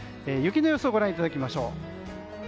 雪の予想をご覧いただきましょう。